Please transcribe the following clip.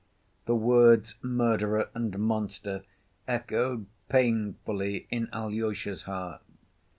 The words "murderer" and "monster" echoed painfully in Alyosha's heart.